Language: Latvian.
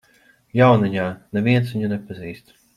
Jauniņā, neviens viņu nepazīst.